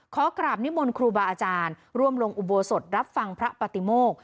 ขอกราบนิมนต์ครูบาอาจารย์ร่วมลงอุโบสถรับฟังพระปฏิโมก